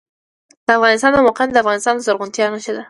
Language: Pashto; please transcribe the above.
د افغانستان د موقعیت د افغانستان د زرغونتیا نښه ده.